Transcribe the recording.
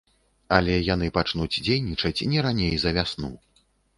Але яны пачнуць дзейнічаць не раней за вясну.